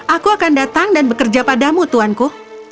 aku akan datang dan bekerja padamu tuanku